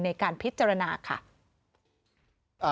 ในการพิจารณาค่ะ